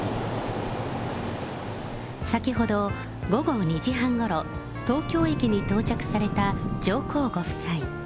先ほど、午後２時半ごろ、東京駅に到着された上皇ご夫妻。